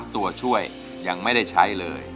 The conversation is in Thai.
ตัวช่วยยังไม่ได้ใช้เลย